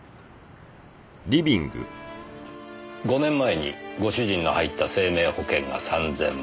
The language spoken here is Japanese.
５年前にご主人の入った生命保険が三千万。